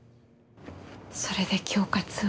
それで恐喝を？